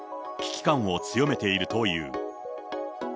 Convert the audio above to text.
危機感を強めているという。